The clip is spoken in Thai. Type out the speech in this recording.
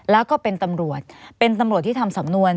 แล้วก็เป็นตำรวจเป็นตำรวจที่ทำสำนวน